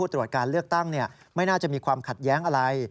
ตรวจการเลือกตั้งไม่น่าจะมีความขัดแย้งอะไร